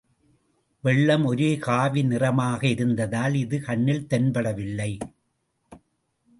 வெள்ளம் ஒரே காவி நிறமாக இருந்ததால் இது கண்ணில் தென்படவில்லை.